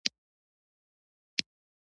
ایا زه باید عطر وکاروم؟